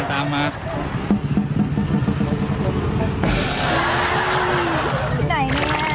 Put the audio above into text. ที่ไหนเนี่ย